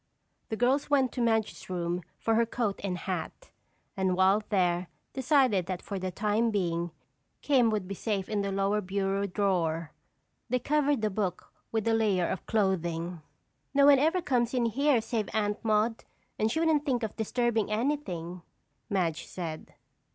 The girls went to Madge's room for her coat and hat and while there decided that for the time being "Kim" would be safe in the lower bureau drawer. They covered the book with a layer of clothing. "No one ever comes in here save Aunt Maude and she wouldn't think of disturbing anything," Madge said.